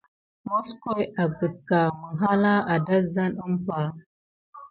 Moskoyo a gakeká mihala a da zane umpay.